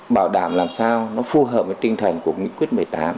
bảo đảm làm sao nó phù hợp với tinh thần của nghị quyết một mươi tám